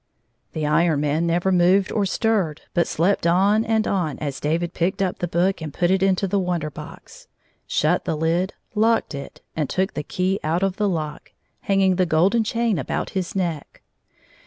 The Iron Man never moved or stirred, but slept on and on as David picked up the book and put it into the Wonder Box, shut the lid, locked it, and took the key out of the lock, hanging the golden chain about his neck.